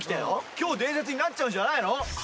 今日伝説になっちゃうんじゃないの？